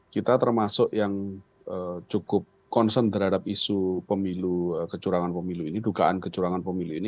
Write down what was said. kita termasuk yang cukup konsen terhadap isu kecurangan pemilu ini dukaan kecurangan pemilu ini